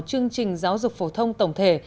chương trình giáo dục phổ thông tổng thể